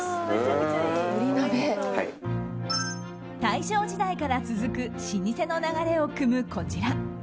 大正時代から続く老舗の流れをくむ、こちら。